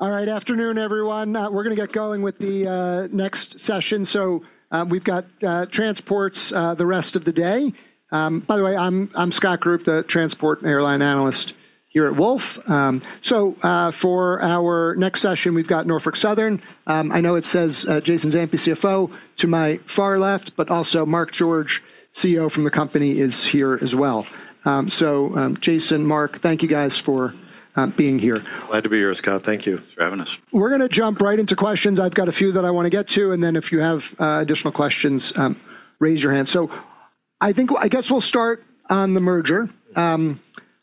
All right. Afternoon, everyone. We're gonna get going with the next session. We've got transports the rest of the day. By the way, I'm Scott Group, the transport and airline analyst here at Wolfe. For our next session, we've got Norfolk Southern. I know it says Jason Zampi, CFO, to my far left, but also Mark George, CEO from the company, is here as well. Jason, Mark, thank you guys for being here. Glad to be here, Scott. Thank you. Thanks for having us. We're gonna jump right into questions. I've got a few that I wanna get to, and then if you have additional questions, raise your hand. I guess we'll start on the merger.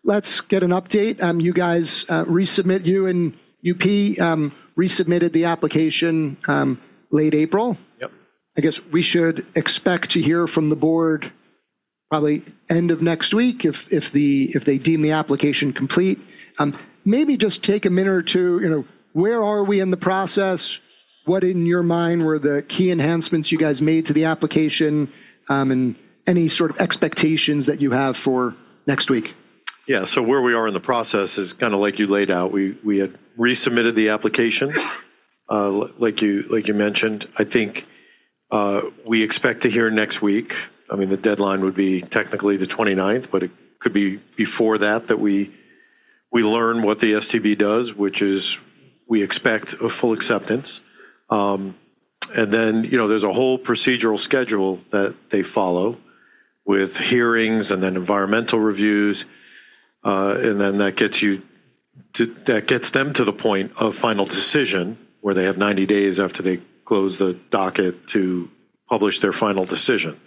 Let's get an update. You guys, you and UP resubmitted the application late April. Yep. I guess we should expect to hear from the Surface Transportation Board probably end of next week if they deem the application complete. Maybe just take a minute or two. You know, where are we in the process? What, in your mind, were the key enhancements you guys made to the application, and any sort of expectations that you have for next week? Yeah. Where we are in the process is kind of like you laid out. We had resubmitted the application, like you mentioned. I think, we expect to hear next week. I mean, the deadline would be technically the 29th, but it could be before that we learn what the STB does, which is we expect a full acceptance. Then, you know, there's a whole procedural schedule that they follow with hearings and then environmental reviews. Then that gets them to the point of final decision, where they have 90 days after they close the docket to publish their final decision.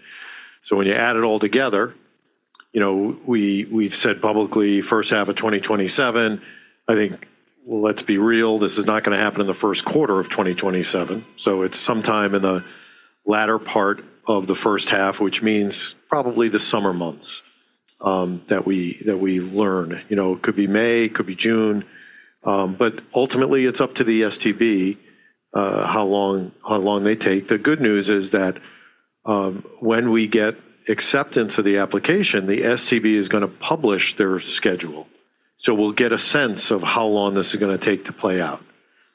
When you add it all together, you know, we've said publicly first half of 2027. I think let's be real, this is not gonna happen in the first quarter of 2027. It's sometime in the latter part of the first half, which means probably the summer months, that we, that we learn. You know, it could be May, it could be June, but ultimately it's up to the STB, how long they take. The good news is that, when we get acceptance of the application, the STB is gonna publish their schedule, so we'll get a sense of how long this is gonna take to play out.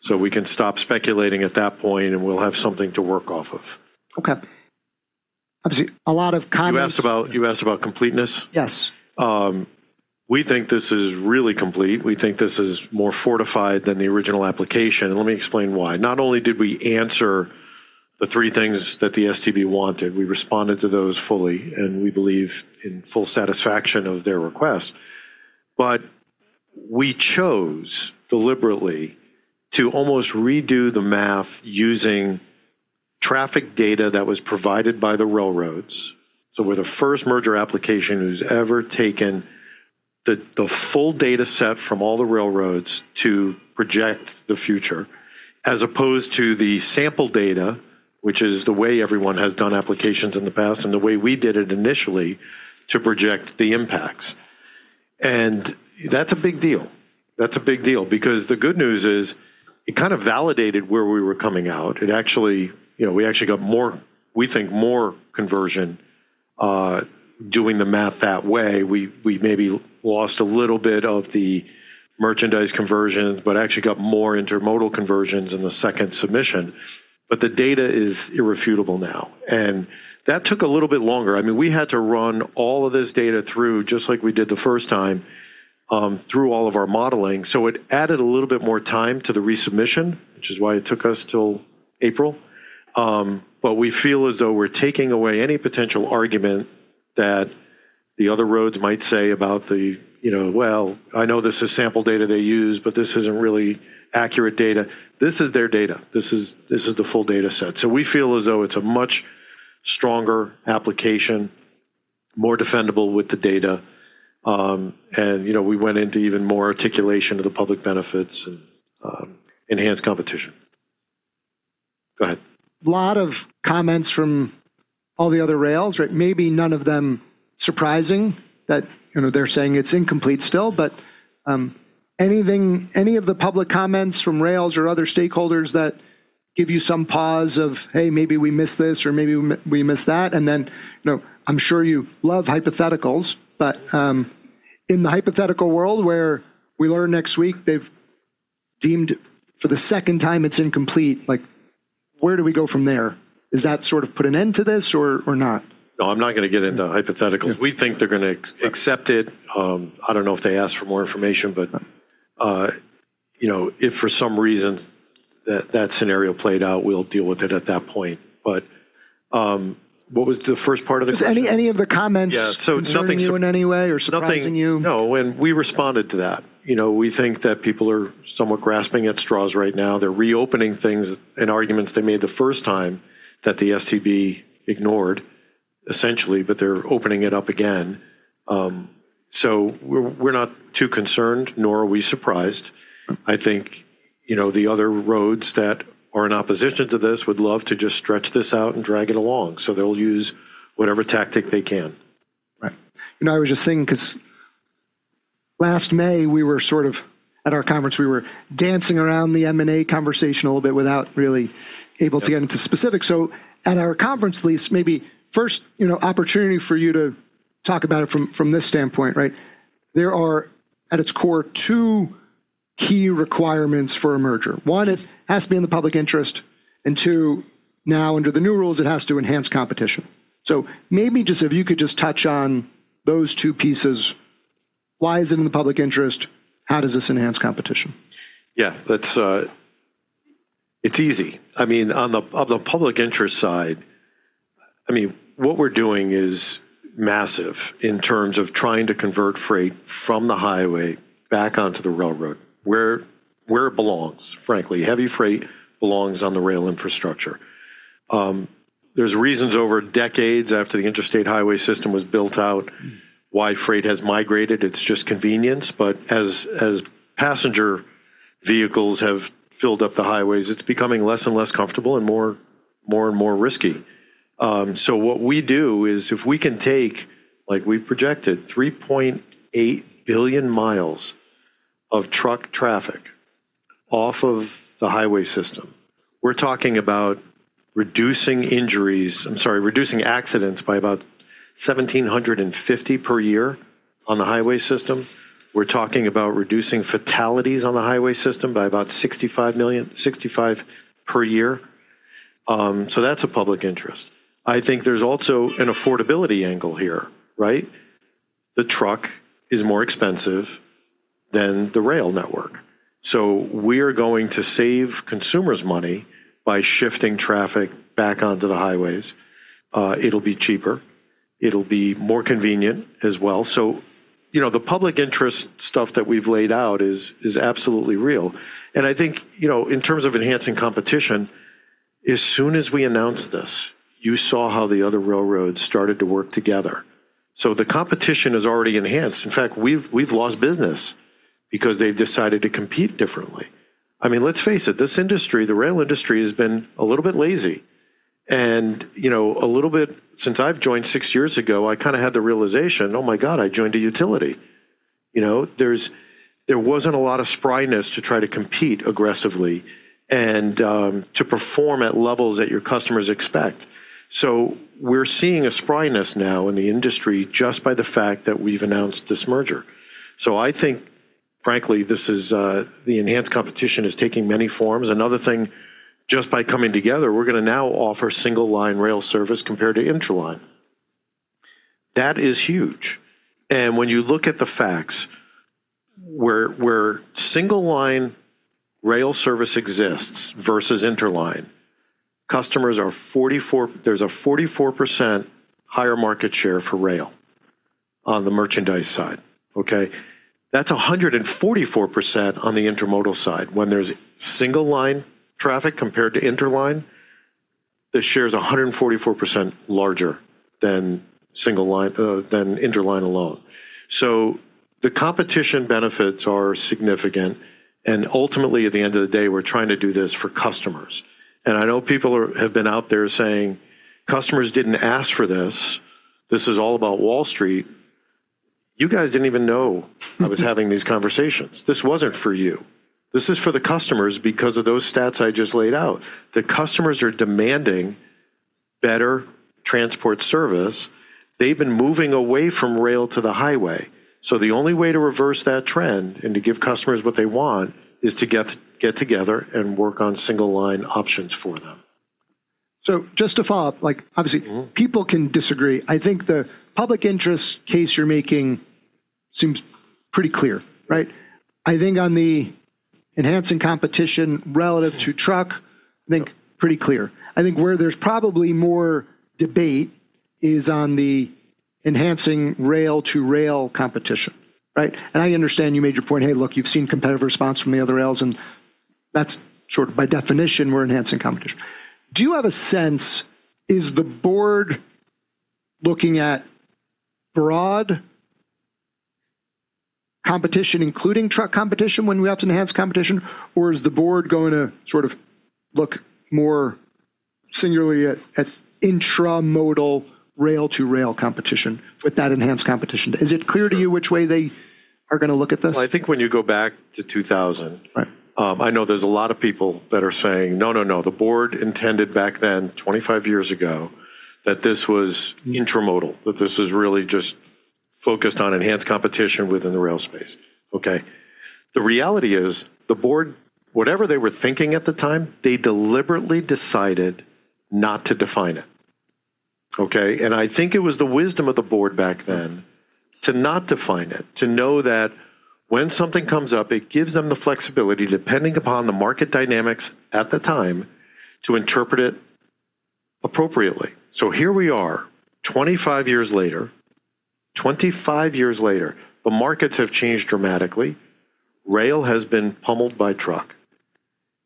We can stop speculating at that point, and we'll have something to work off of. Okay. Obviously, a lot of comments. You asked about completeness. Yes. We think this is really complete. We think this is more fortified than the original application. Let me explain why. Not only did we answer the three things that the STB wanted, we responded to those fully, and we believe in full satisfaction of their request. We chose deliberately to almost redo the math using traffic data that was provided by the railroads. We're the first merger application who's ever taken the full data set from all the railroads to project the future, as opposed to the sample data, which is the way everyone has done applications in the past and the way we did it initially to project the impacts. That's a big deal. That's a big deal because the good news is it kind of validated where we were coming out. It actually, you know, we actually got more, we think more conversion doing the math that way. We maybe lost a little bit of the merchandise conversions, actually got more intermodal conversions in the second submission. The data is irrefutable now. That took a little bit longer. I mean, we had to run all of this data through, just like we did the first time, through all of our modeling. It added a little bit more time to the resubmission, which is why it took us till April. We feel as though we're taking away any potential argument that the other roads might say about the, you know, well, I know this is sample data they use, this isn't really accurate data. This is their data. This is the full data set. We feel as though it's a much stronger application, more defendable with the data. You know, we went into even more articulation of the public benefits and enhanced competition. Go ahead. A lot of comments from all the other rails, right? Maybe none of them surprising that, you know, they're saying it's incomplete still. Anything, any of the public comments from rails or other stakeholders that give you some pause of, 'Hey, maybe we missed this,' or, 'Maybe we missed that'? Then, you know, I'm sure you love hypotheticals, in the hypothetical world where we learn next week they've deemed for the second time it's incomplete, like, where do we go from there? Is that sort of put an end to this or not? No, I'm not gonna get into hypotheticals. We think they're gonna accept it. I don't know if they ask for more information, you know, if for some reason that scenario played out, we'll deal with it at that point. What was the first part of the question? Was any of the comments Yeah. Concerning you in any way or surprising you? No, we responded to that. You know, we think that people are somewhat grasping at straws right now. They're reopening things and arguments they made the first time that the STB ignored, essentially. They're opening it up again. We're not too concerned, nor are we surprised. I think, you know, the other roads that are in opposition to this would love to just stretch this out and drag it along. They'll use whatever tactic they can. Right. You know, I was just thinking, 'cause last May, we were sort of at our conference, we were dancing around the M&A conversation a little bit without really able to get into specifics. At our conference, at least maybe first, you know, opportunity for you to talk about it from this standpoint, right? There are, at its core, two key requirements for a merger. One it has to be in the public interest, and two, now under the new rules, it has to enhance competition. Maybe just if you could just touch on those two pieces. Why is it in the public interest? How does this enhance competition? Yeah, that's, it's easy. I mean, on the public interest side, I mean, what we're doing is massive in terms of trying to convert freight from the highway back onto the railroad where it belongs, frankly. Heavy freight belongs on the rail infrastructure. There's reasons over decades after the Interstate Highway System was built out why freight has migrated. It's just convenience. As passenger vehicles have filled up the highways, it's becoming less and less comfortable and more and more risky. What we do is if we can take, like we've projected, 3.8 billion mi of truck traffic off of the highway system, we're talking about reducing accidents by about 1,750 per year on the highway system. We're talking about reducing fatalities on the highway system by about 65 per year. That's a public interest. I think there's also an affordability angle here, right? The truck is more expensive than the rail network. We're going to save consumers money by shifting traffic back onto the highways. It'll be cheaper. It'll be more convenient as well. You know, the public interest stuff that we've laid out is absolutely real, and I think, you know, in terms of enhancing competition, as soon as we announced this, you saw how the other railroads started to work together. The competition is already enhanced. In fact, we've lost business because they've decided to compete differently. I mean, let's face it, this industry, the rail industry, has been a little bit lazy. Since I've joined six years ago, I kinda had the realization, "Oh, my God, I joined a utility." You know? There wasn't a lot of spryness to try to compete aggressively and to perform at levels that your customers expect. We're seeing a spryness now in the industry just by the fact that we've announced this merger. I think, frankly, this is, the enhanced competition is taking many forms. Another thing, just by coming together, we're gonna now offer single line rail service compared to interline. That is huge. When you look at the facts, where single line rail service exists versus interline, there's a 44% higher market share for rail on the merchandise side, okay? That's 144% on the intermodal side. When there's single line traffic compared to interline, the share is 144% larger than single line than interline alone. The competition benefits are significant, and ultimately, at the end of the day, we're trying to do this for customers. I know people have been out there saying, "Customers didn't ask for this. This is all about Wall Street." You guys didn't even know I was having these conversations. This wasn't for you. This is for the customers because of those stats I just laid out. The customers are demanding better transport service. They've been moving away from rail to the highway. The only way to reverse that trend and to give customers what they want is to get together and work on single line options for them. Just to follow up, like, obviously people can disagree. I think the public interest case you're making seems pretty clear, right? I think on the enhancing competition relative to truck, I think pretty clear. I think where there's probably more debate is on the enhancing rail to rail competition, right? I understand you made your point. Hey, look, you've seen competitive response from the other rails, and that's sort of by definition, we're enhancing competition. Do you have a sense, is the Board looking at broad competition, including truck competition, when we have to enhance competition? Or is the Board going to sort of look more singularly at intramodal rail to rail competition with that enhanced competition? Is it clear to you which way they are going to look at this? Well, I think when you go back to. Right. I know there's a lot of people that are saying, "No, no. The Board intended back then, 25 years ago, that this was intramodal, that this is really just focused on enhanced competition within the rail space." Okay? The reality is the Board, whatever they were thinking at the time, they deliberately decided not to define it, okay? I think it was the wisdom of the Board back then to not define it, to know that when something comes up, it gives them the flexibility, depending upon the market dynamics at the time, to interpret it appropriately. Here we are, 25 years later. 25 years later, the markets have changed dramatically. Rail has been pummeled by truck,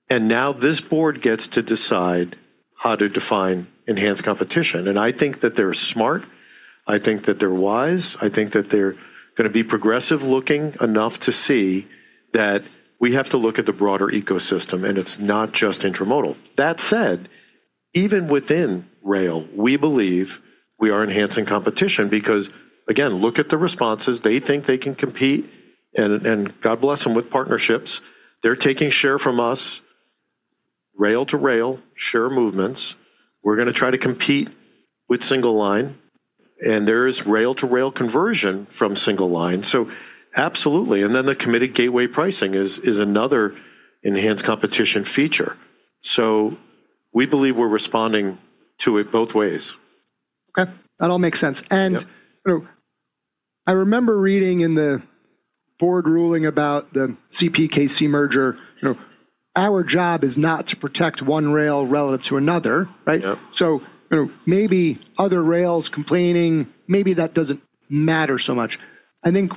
and now this Board gets to decide how to define enhanced competition. I think that they're smart. I think that they're wise. I think that they're gonna be progressive looking enough to see that we have to look at the broader ecosystem, and it's not just intramodal. That said, even within rail, we believe we are enhancing competition because, again, look at the responses. They think they can compete, and God bless them with partnerships. They're taking share from us. Rail to rail share movements. We're gonna try to compete with single line, and there is rail to rail conversion from single line. Absolutely. The Committed Gateway Pricing is another enhanced competition feature. We believe we're responding to it both ways. Okay. That all makes sense. Yeah. You know, I remember reading in the board ruling about the CPKC merger. You know, our job is not to protect one rail relative to another, right? Yeah. You know, maybe other rails complaining, maybe that doesn't matter so much. I think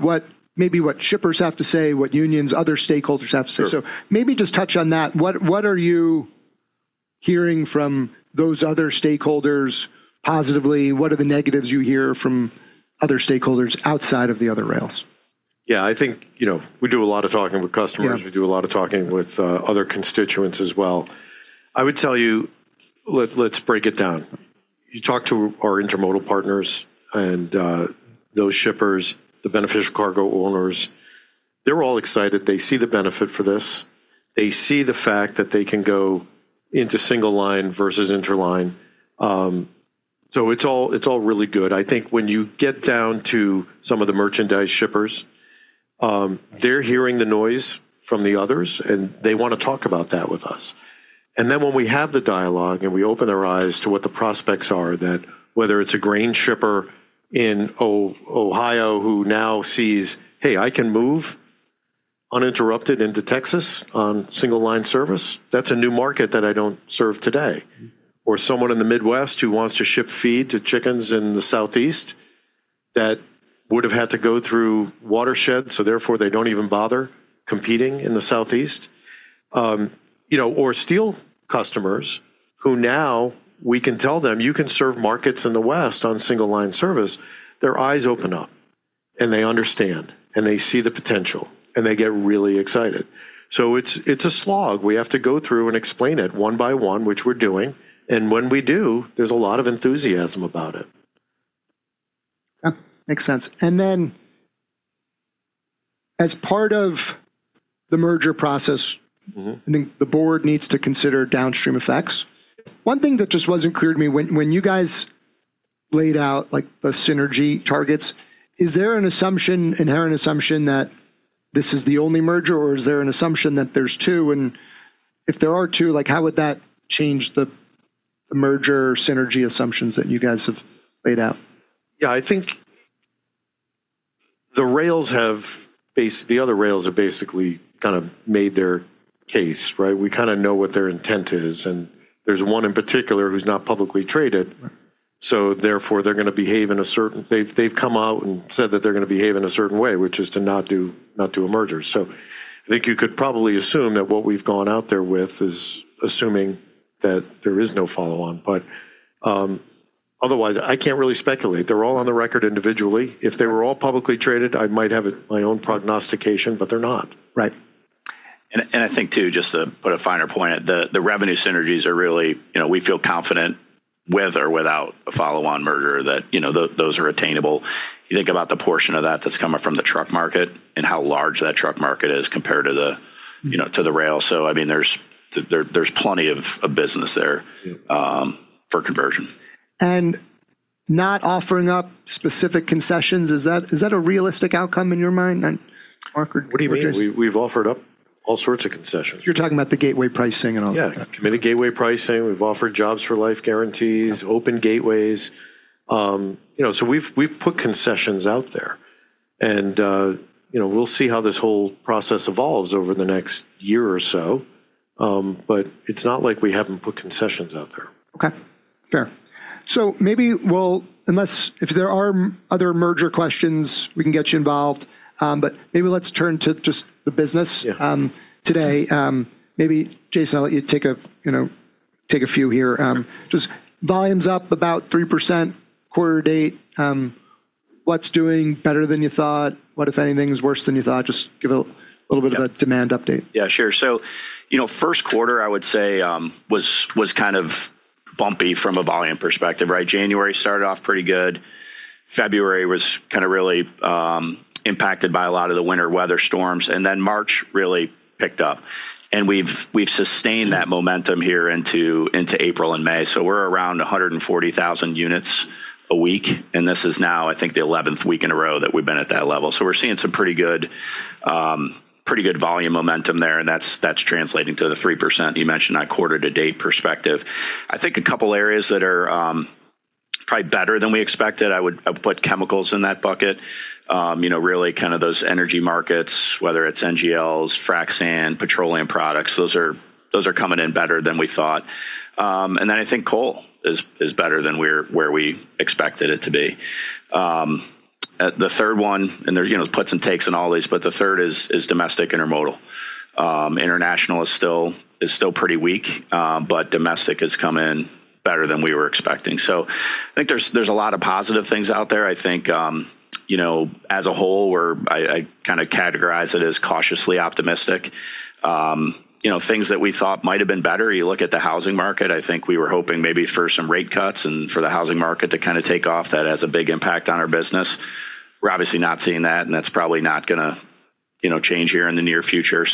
maybe what shippers have to say, what unions, other stakeholders have to say. Sure. Maybe just touch on that. What are you hearing from those other stakeholders positively? What are the negatives you hear from other stakeholders outside of the other rails? Yeah, I think, you know, we do a lot of talking with customers. Yeah. We do a lot of talking with other constituents as well. I would tell you, let's break it down. You talk to our intermodal partners and those shippers, the beneficial cargo owners, they're all excited. They see the benefit for this. They see the fact that they can go into single line versus interline. It's all really good. I think when you get down to some of the merchandise shippers, they're hearing the noise from the others, they wanna talk about that with us. When we have the dialogue and we open their eyes to what the prospects are, that whether it's a grain shipper in Ohio who now sees, "Hey, I can move uninterrupted into Texas on single line service." That's a new market that I don't serve today. Someone in the Midwest who wants to ship feed to chickens in the Southeast that would've had to go through watershed, so therefore they don't even bother competing in the Southeast. You know, steel customers who now we can tell them, you can serve markets in the West on single line service, their eyes open up and they understand, and they see the potential, and they get really excited. It's a slog. We have to go through and explain it one by one, which we're doing. When we do, there's a lot of enthusiasm about it. Yeah. Makes sense. Then as part of the merger process. I think the board needs to consider downstream effects. One thing that just wasn't clear to me when you guys laid out like the synergy targets, is there an inherent assumption that this is the only merger, or is there an assumption that there's two? If there are two, like how would that change the merger synergy assumptions that you guys have laid out? Yeah. I think the other rails have basically kind of made their case, right? We kinda know what their intent is. There's one in particular who's not publicly traded. Right. Therefore, they've come out and said that they're gonna behave in a certain way, which is to not do a merger. I think you could probably assume that what we've gone out there with is assuming that there is no follow on. Otherwise, I can't really speculate. They're all on the record individually. If they were all publicly traded, I might have my own prognostication, but they're not. Right. I think too, just to put a finer point, the revenue synergies are really, you know, we feel confident with or without a follow on merger that, you know, those are attainable. You think about the portion of that that's coming from the truck market and how large that truck market is compared to the, you know, to the rail. I mean, there's plenty of a business there. Yeah for conversion. Not offering up specific concessions, is that a realistic outcome in your mind then, Mark or Jason? What do you mean? We've offered up all sorts of concessions. You're talking about the gateway pricing and all that. Yeah. Committed Gateway Pricing. We've offered jobs for life guarantees. Yeah. Open gateways. You know, we've put concessions out there and, you know, we'll see how this whole process evolves over the next year or so. It's not like we haven't put concessions out there. Okay. Fair. Maybe we'll, unless if there are other merger questions, we can get you involved. Maybe let's turn to just the business. Yeah Today. Maybe Jason, I'll let you take a, you know, take a few here. Just volume's up about 3% quarter-to-date. What's doing better than you thought? What, if anything, is worse than you thought? Just give a little bit of a demand update. Yeah, sure. You know, first quarter, I would say, was kind of bumpy from a volume perspective, right? January started off pretty good. February was kind of really impacted by a lot of the winter weather storms, and then March really picked up. We've sustained that momentum here into April and May. We're around 140,000 units a week, and this is now, I think, the 11th week in a row that we've been at that level. We're seeing some pretty good volume momentum there, and that's translating to the 3% you mentioned on a quarter to date perspective. I think a couple areas that are probably better than we expected, I put chemicals in that bucket. You know, really kind of those energy markets, whether it's NGLs, frac sand, petroleum products, those are coming in better than we thought. I think coal is better than where we expected it to be. The third one, and there's, you know, puts and takes in all these, but the third is domestic intermodal. International is still pretty weak, domestic has come in better than we were expecting. I think there's a lot of positive things out there. I think, you know, as a whole, I kind of categorize it as cautiously optimistic. You know, things that we thought might've been better, you look at the housing market. I think we were hoping maybe for some rate cuts and for the housing market to kind of take off. That has a big impact on our business. We're obviously not seeing that's probably not gonna you know, change here in the near future.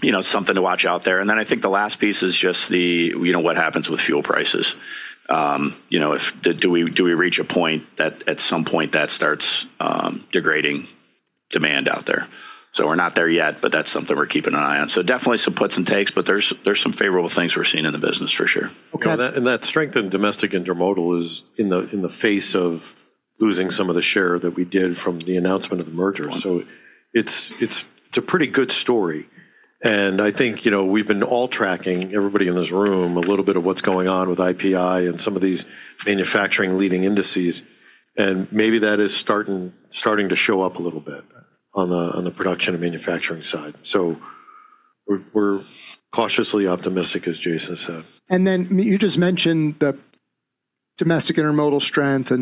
You know, something to watch out there. I think the last piece is just the, you know, what happens with fuel prices. You know, do we reach a point that at some point that starts degrading demand out there? We're not there yet, but that's something we're keeping an eye on. Definitely some puts and takes, but there's some favorable things we're seeing in the business for sure. Okay. That strength in domestic intermodal is in the face of losing some of the share that we did from the announcement of the merger. Yeah. It's a pretty good story. I think, you know, we've been all tracking everybody in this room a little bit of what's going on with IPI and some of these manufacturing leading indices, and maybe that is starting to show up a little bit on the production and manufacturing side. We're cautiously optimistic, as Jason said. You just mentioned the domestic intermodal strength.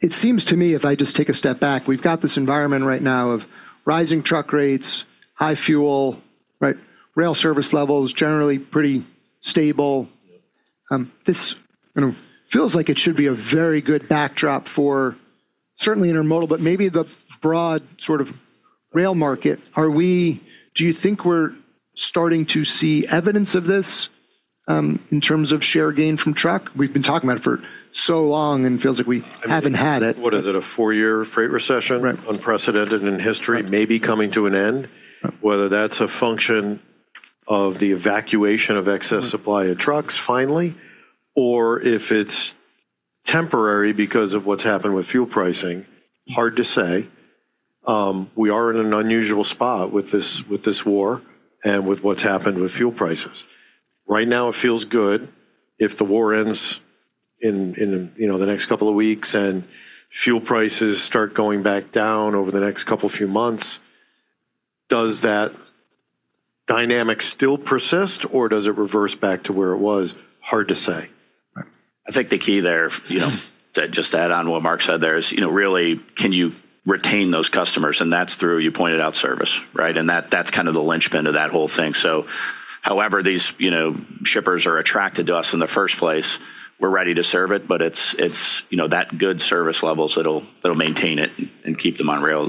It seems to me, if I just take a step back, we've got this environment right now of rising truck rates, high fuel, right. Rail service levels generally pretty stable. Yeah. This, you know, feels like it should be a very good backdrop for certainly intermodal, but maybe the broad sort of rail market. Do you think we're starting to see evidence of this, in terms of share gain from truck? We've been talking about it for so long and feels like we haven't had it. I mean, what is it? A four-year freight recession- Right unprecedented in history may be coming to an end. Whether that's a function of the evacuation of excess supply of trucks finally, or if it's temporary because of what's happened with fuel pricing, hard to say. We are in an unusual spot with this war and with what's happened with fuel prices. Right now it feels good. If the war ends in, you know, the next couple of weeks and fuel prices start going back down over the next couple few months, does that dynamic still persist or does it reverse back to where it was? Hard to say. Right. I think the key there, you know, to just add on what Mark said there is, you know, really can you retain those customers? That's through, you pointed out service, right? That, that's kind of the linchpin to that whole thing. However these, you know, shippers are attracted to us in the first place, we're ready to serve it, but it's, you know, that good service levels that'll maintain it and keep them on rail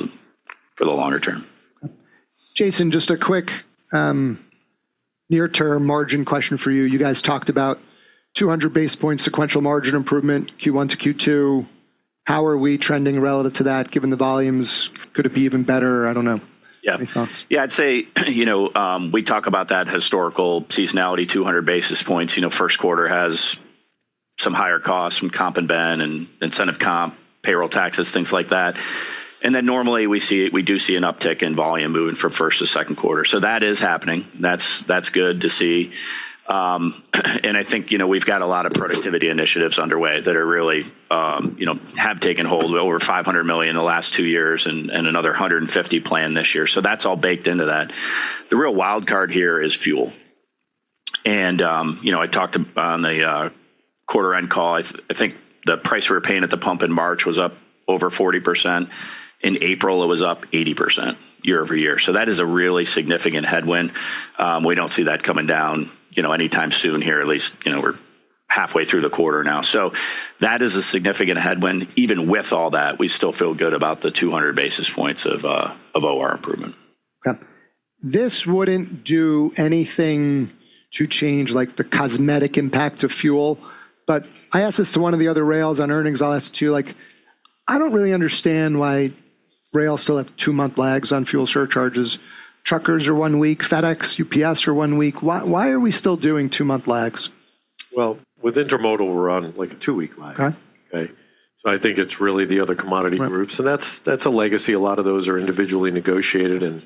for the longer term. Jason, just a quick, near term margin question for you. You guys talked about 200 basis points, sequential margin improvement, Q1-Q2. How are we trending relative to that, given the volumes? Could it be even better? I don't know. Yeah. Any thoughts? Yeah, I'd say, you know, we talk about that historical seasonality, 200 basis points. You know, first quarter has some higher costs from comp and ben and incentive comp, payroll taxes, things like that. Normally we do see an uptick in volume moving from first to second quarter. That is happening. That's good to see. I think, you know, we've got a lot of productivity initiatives underway that are really, you know, have taken hold over $500 million in the last two years, and another $150 planned this year. That's all baked into that. The real wild card here is fuel. You know, I talked about on the quarter end call, I think the price we were paying at the pump in March was up over 40%. In April, it was up 80% year-over-year. That is a really significant headwind. We don't see that coming down, you know, anytime soon here at least. You know, we're halfway through the quarter now. That is a significant headwind. Even with all that, we still feel good about the 200 basis points of OR improvement. Okay. This wouldn't do anything to change like the cosmetic impact of fuel. I asked this to one of the other rails on earnings, I'll ask you too, like, I don't really understand why rails still have two-month lags on fuel surcharges. Truckers are one week, FedEx, UPS are one week. Why are we still doing two-month lags? Well, with intermodal we're on like a two-week lag. Okay. Okay. I think it's really the other commodity groups. Right. That's a legacy. A lot of those are individually negotiated, and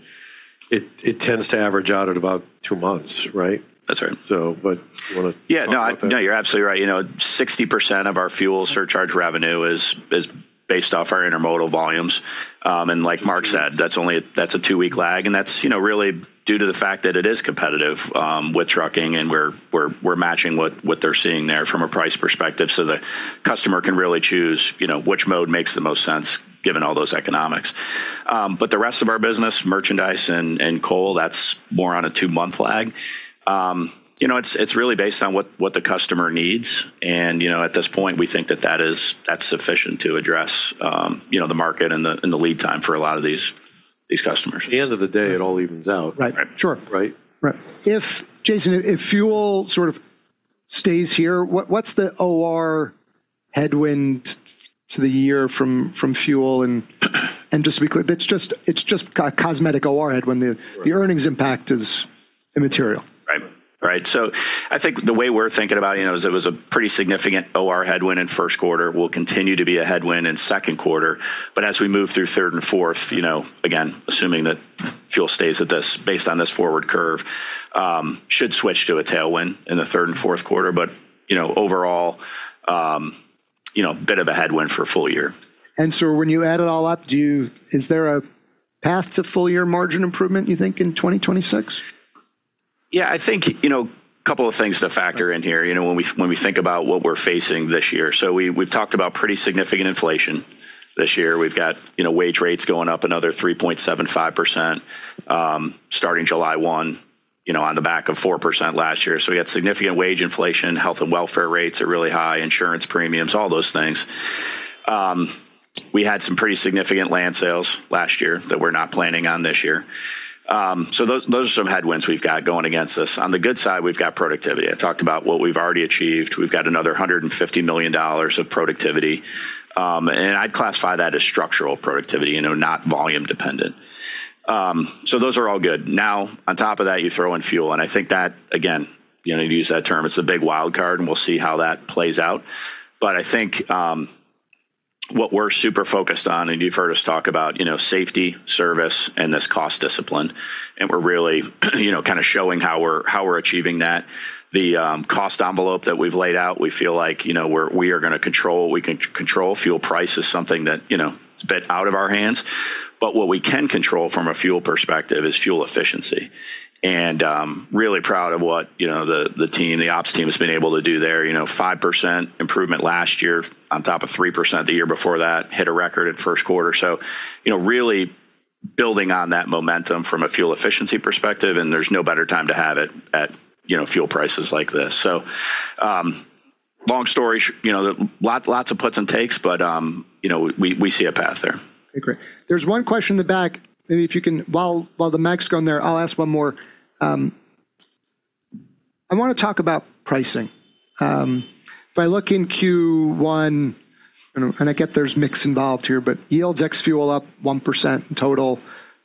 it tends to average out at about two months, right? That's right. You wanna talk about that? Yeah, no, you're absolutely right. You know, 60% of our fuel surcharge revenue is based off our intermodal volumes. Like Mark said, that's only that's a two-week lag, and that's, you know, really due to the fact that it is competitive with trucking and we're matching what they're seeing there from a price perspective. The customer can really choose, you know, which mode makes the most sense given all those economics. The rest of our business, merchandise and coal, that's more on a two-month lag. You know, it's really based on what the customer needs. You know, at this point, we think that that's sufficient to address, you know, the market and the lead time for a lot of these customers. At the end of the day, it all evens out. Right. Right. Sure. Right? Right. If, Jason, if fuel sort of stays here, what's the OR headwind to the year from fuel? Just to be clear, it's just cosmetic OR headwind. The earnings impact is immaterial. Right. Right. I think the way we're thinking about it, you know, is it was a pretty significant OR headwind in first quarter, will continue to be a headwind in second quarter. As we move through third and fourth, you know, again, assuming that fuel stays at this, based on this forward curve, should switch to a tailwind in the third and fourth quarter. You know, overall, you know, bit of a headwind for full year. When you add it all up, is there a path to full year margin improvement, you think, in 2026? Yeah. I think, you know, a couple of things to factor in here, you know, when we think about what we're facing this year. We've talked about pretty significant inflation this year. We've got, you know, wage rates going up another 3.75%, starting July 1. You know, on the back of 4% last year. We had significant wage inflation, health and welfare rates are really high, insurance premiums, all those things. We had some pretty significant land sales last year that we're not planning on this year. Those are some headwinds we've got going against us. On the good side, we've got productivity. I talked about what we've already achieved. We've got another $150 million of productivity. I'd classify that as structural productivity, you know, not volume dependent. Those are all good. Now, on top of that, you throw in fuel, I think that again, you know, you've used that term, it's a big wild card, and we'll see how that plays out. I think what we're super focused on, you've heard us talk about, you know, safety, service, and this cost discipline, we're really you know, kinda showing how we're, how we're achieving that. The cost envelope that we've laid out, we feel like, you know, we are gonna control what we can control. Fuel price is something that, you know, it's a bit out of our hands. What we can control from a fuel perspective is fuel efficiency. Really proud of what, you know, the team, the ops team has been able to do there. You know, 5% improvement last year on top of 3% the year before that, hit a record in first quarter. You know, really building on that momentum from a fuel efficiency perspective, and there's no better time to have it at, you know, fuel prices like this. Long story, you know, lots of puts and takes, but, you know, we see a path there. Okay, great. There's one question in the back. Maybe while the mic's going there, I'll ask one more. I wanna talk about pricing. If I look in Q1, and I get there's mix involved here, but yields ex fuel up 1% in total,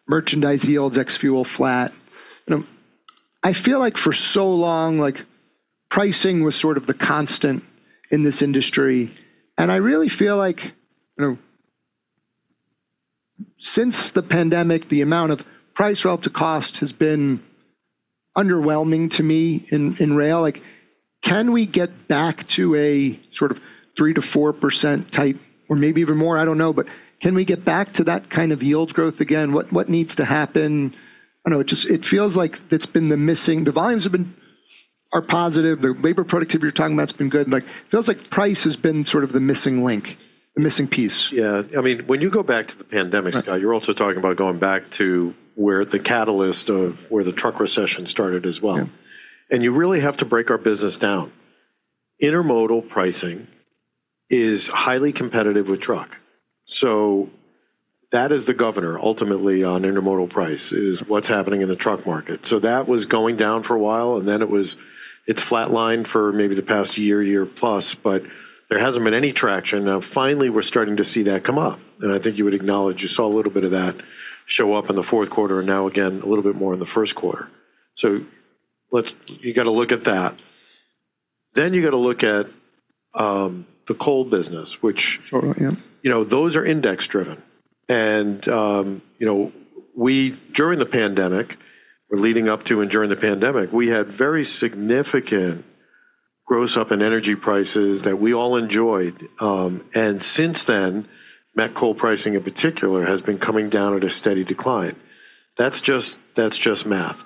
merchandise yields ex fuel flat. You know, I feel like for so long, like pricing was sort of the constant in this industry, and I really feel like, you know, since the pandemic, the amount of price relative cost has been underwhelming to me in rail. Like, can we get back to a sort of 3%-4% type or maybe even more? I don't know. Can we get back to that kind of yield growth again? What needs to happen? I don't know, it just, it feels like. The volumes are positive. The labor productivity you're talking about has been good. Like, it feels like price has been sort of the missing link, the missing piece. Yeah. I mean, when you go back to the pandemic, Scott, you're also talking about going back to where the catalyst of where the truck recession started as well. Yeah. You really have to break our business down. Intermodal pricing is highly competitive with truck. That is the governor ultimately on intermodal price, is what's happening in the truck market. That was going down for a while, and then it's flat lined for maybe the past year plus, but there hasn't been any traction. Now, finally, we're starting to see that come up, and I think you would acknowledge you saw a little bit of that show up in the fourth quarter and now again a little bit more in the first quarter. You gotta look at that. You gotta look at, the coal business, which- Sure. Yeah. You know, those are index driven. You know, during the pandemic or leading up to and during the pandemic, we had very significant gross up in energy prices that we all enjoyed. Since then, met coal pricing in particular has been coming down at a steady decline. That's just, that's just math.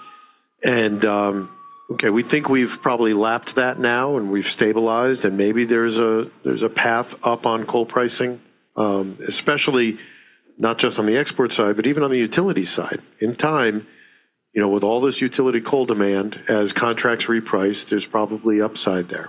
We think we've probably lapped that now and we've stabilized, and maybe there's a path up on coal pricing, especially not just on the export side, but even on the utility side. In time, you know, with all this utility coal demand, as contracts reprice, there's probably upside there.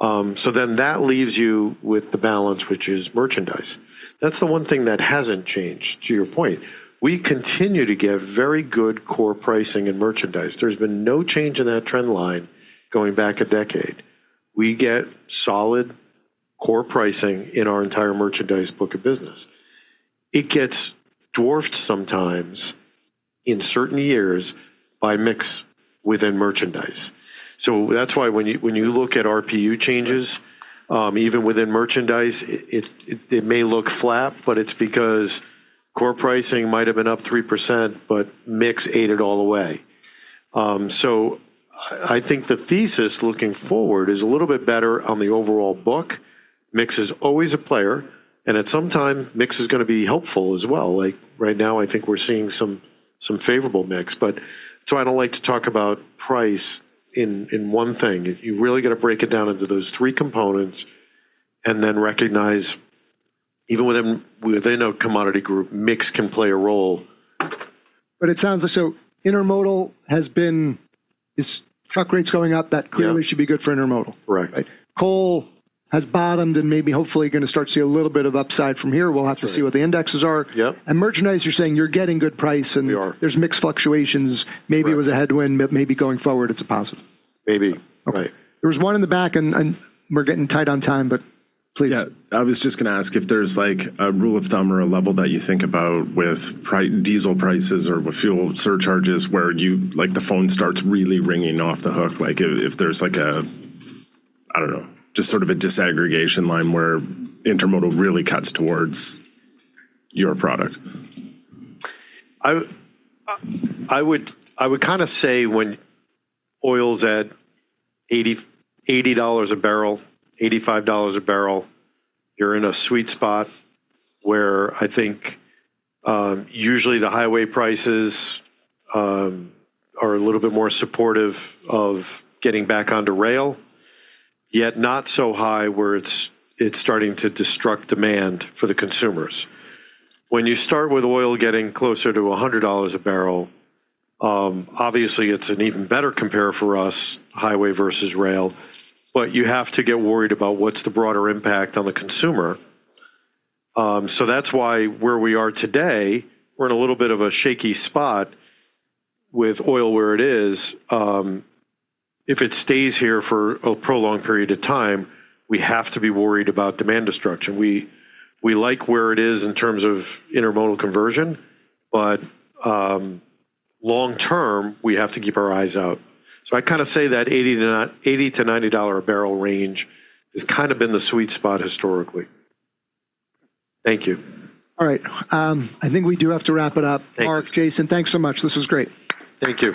That leaves you with the balance, which is merchandise. That's the one thing that hasn't changed, to your point. We continue to get very good core pricing in merchandise. There's been no change in that trend line going back a decade. We get solid core pricing in our entire merchandise book of business. It gets dwarfed sometimes in certain years by mix within merchandise. That's why when you look at RPU changes, even within merchandise, it may look flat, but it's because core pricing might have been up 3%, but mix ate it all away. I think the thesis looking forward is a little bit better on the overall book. Mix is always a player, and at some time mix is gonna be helpful as well. Like right now, I think we're seeing some favorable mix. I don't like to talk about price in one thing. You really gotta break it down into those three components and then recognize even within a commodity group, mix can play a role. It sounds like. Is truck rates going up? That clearly should be good for intermodal. Correct. Right. Coal has bottomed and maybe hopefully gonna start to see a little bit of upside from here. We'll have to see what the indexes are. Yep. Merchandise, you're saying you're getting good price? We are. There's mixed fluctuations. Right. Maybe it was a headwind, but maybe going forward it's a positive. Maybe. Okay. There was one in the back and we're getting tight on time, but please. Yeah. I was just gonna ask if there's like a rule of thumb or a level that you think about with diesel prices or with fuel surcharges where like the phone starts really ringing off the hook, like if there's like a, I don't know, just sort of a disaggregation line where intermodal really cuts towards your product? I would kinda say when oil's at $80 a barrel, $85 a barrel, you're in a sweet spot where I think, usually the highway prices are a little bit more supportive of getting back onto rail, yet not so high where it's starting to destruct demand for the consumers. When you start with oil getting closer to $100 a barrel, obviously it's an even better compare for us, highway versus rail, but you have to get worried about what's the broader impact on the consumer. That's why where we are today, we're in a little bit of a shaky spot with oil where it is. If it stays here for a prolonged period of time, we have to be worried about demand destruction. We like where it is in terms of intermodal conversion, but long term, we have to keep our eyes out. I kinda say that $80-$90 a barrel range has kinda been the sweet spot historically. Thank you. All right. I think we do have to wrap it up. Thank you. Mark, Jason, thanks so much. This was great. Thank you.